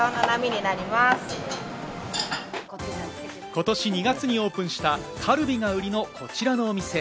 今年２月にオープンしたカルビが売りのこちらのお店。